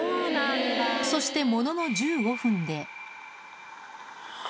そしてものの１５分で。